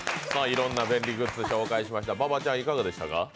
いろんな便利グッズ紹介しましたが、馬場ちゃん、いかがでしたか？